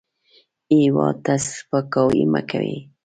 هېواد ته سپکاوی مه کوئ